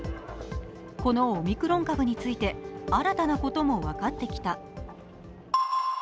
このオミクロン株について、新たなことも分かってきた。